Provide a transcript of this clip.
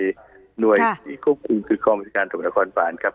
หน่วยที่ควบคุมคือความจัดการตรงนครบาลครับ